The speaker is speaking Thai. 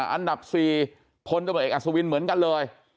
อันดับ๔พลตำรวจเอกอัศวินเหมือนกันเลย